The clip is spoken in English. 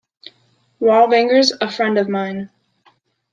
Wallbangers, a friend of mine.